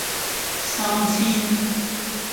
三千